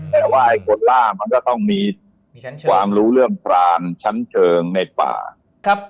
แต่ว่าฆวดร่างก็ต้องมีความรู้เรื่องปลานชั้นเชิงในป่า